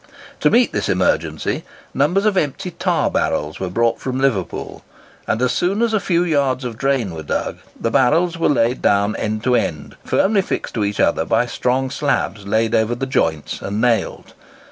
To meet this emergency, numbers of empty tar barrels were brought from Liverpool; and as soon as a few yards of drain were dug, the barrels were laid down end to end, firmly fixed to each other by strong slabs laid over the joints, and nailed.